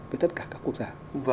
với tất cả các quốc gia